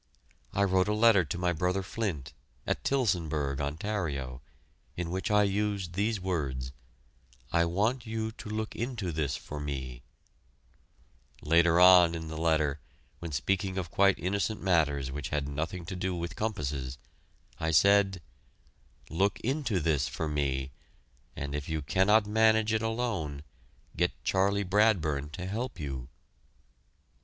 I wrote a letter to my brother Flint, at Tillsonburg, Ontario, in which I used these words, "I want you to look into this for me"; later on in the letter, when speaking of quite innocent matters which had nothing to do with "compasses," I said, "Look into this for me and if you cannot manage it alone, get Charley Bradburn to help you."